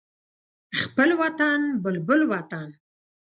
خپل وطن بلبل وطن